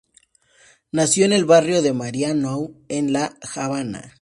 Nació en el barrio de Marianao en La Habana.